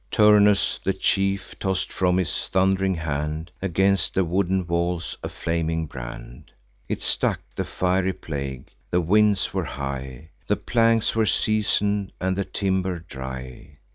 Turnus, the chief, toss'd from his thund'ring hand Against the wooden walls, a flaming brand: It stuck, the fiery plague; the winds were high; The planks were season'd, and the timber dry.